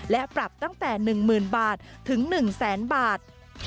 และปรับตั้งแต่๑๐๐๐บาทถึง๑แสนบาท